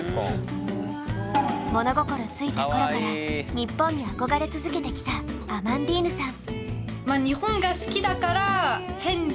物心付いた頃から日本に憧れ続けてきたアマンディーヌさん。